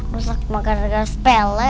masa kemakar kemarin sepelek